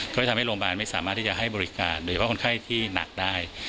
ก็จะทำให้โรงพยาบาลไม่สามารถที่จะให้บริการโดยเฉพาะคนไข้ที่หนักได้